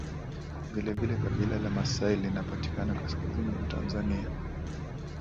vile vile kabila la maasai linapatikana kaskazini mwa Tanzania